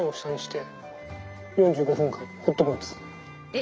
え